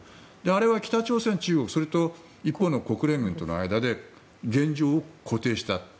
あれは北朝鮮、中国それと一方の国連軍との間で現状を固定した。